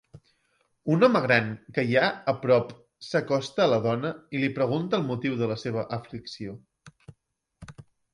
Un home gran que hi ha a prop s'acosta a la dona i li pregunta el motiu de la seva aflicció.